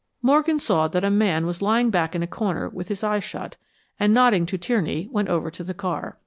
Morgan saw that a man was lying back in a corner with his eyes shut, and nodding to Tierney, went over to the car.